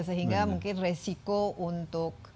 sehingga mungkin resiko untuk keluar mencari tempat untuk berbicara